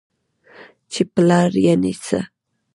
چې پلار يعنې څه؟؟!